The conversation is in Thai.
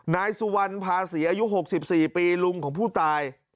นายสุวรรณภาษีอายุ๖๔ปีลุงของผู้ตาย